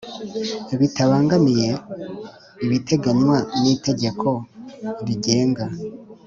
Bitabangamiye ibiteganywa n Itegeko rigenga